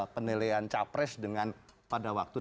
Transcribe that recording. penilaian capres dengan pada waktu